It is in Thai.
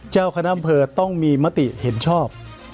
เจ้าคณะอำเภอต้องมีมติเห็นชอบ